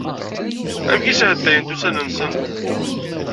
Amek i sɛeddayent ussan-nsent?